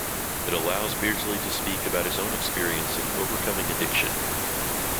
It allows Beardsley to speak about his own experience in overcoming addiction.